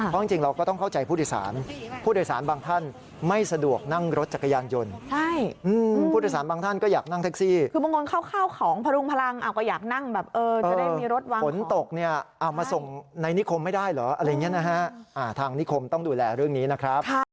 เพราะจริงเราก็ต้องเข้าใจผู้โดยสาร